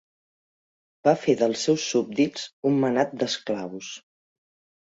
Va fer dels seus súbdits un manat d'esclaus.